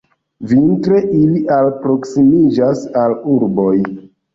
Vintre ili alproksimiĝas al urboj.